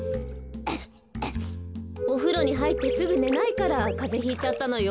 おふろにはいってすぐねないからカゼひいちゃったのよ。